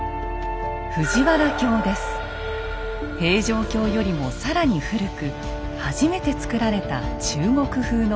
平城京よりも更に古く初めてつくられた中国風の都。